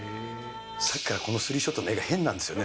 さっきからこのスリーショットの画が変なんですよね。